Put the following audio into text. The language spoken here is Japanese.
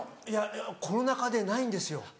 いやコロナ禍でないんですよ。